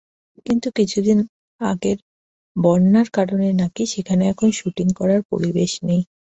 কিন্তু কিছুদিন আগের বন্যার কারণে নাকি সেখানে এখন শুটিং করার পরিবেশ নেই।